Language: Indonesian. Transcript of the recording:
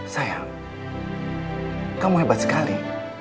sayang kamu hebat sekali